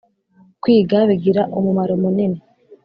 kwiga bigira umumaro munini